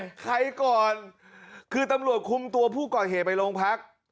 ใครก่อนคือตำรวจคุมตัวผู้ก่อเหตุไปโรงพัก